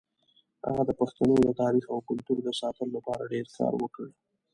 هغه د پښتنو د تاریخ او کلتور د ساتلو لپاره ډېر کار وکړ.